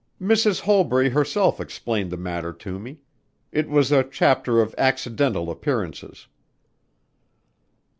"Mrs. Holbury herself explained the matter to me. It was a chapter of accidental appearances."